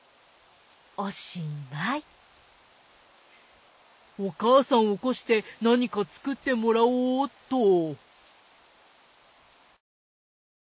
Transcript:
おしまいお母さん起こして何か作ってもらおっと。